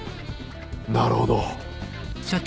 なるほど。